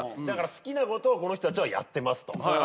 だから好きなことをこの人たちはやってますと。